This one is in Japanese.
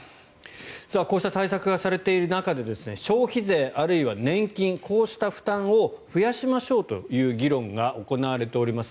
こうした対策がされている中で消費税、あるいは年金こうした負担を増やしましょうという議論が行われております。